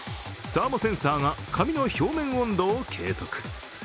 サーモセンサーが髪の表面温度を計測。